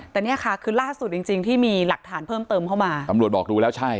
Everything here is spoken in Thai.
แต่เนี่ยค่ะคือล่าสุดจริงจริงที่มีหลักฐานเพิ่มเติมเข้ามาตำรวจบอกดูแล้วใช่